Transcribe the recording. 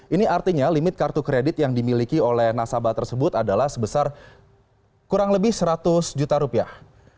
ini artinya limit kartu kredit yang dimiliki oleh nasabah tersebut adalah sebesar kurang lebih seratus juta rupiah